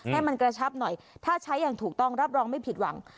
ให้มันกระชับหน่อยถ้าใช้อย่างถูกต้องรับรองไม่ผิดหวัง